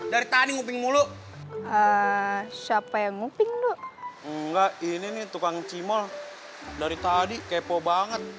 dari tani ngumping mulu siapa yang nguping nggak ini nih tukang cimol dari tadi kepo banget